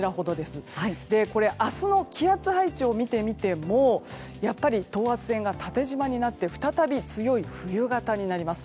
これ明日の気圧配置を見てみても、やっぱり等圧線が縦じまになって再び強い冬型になります。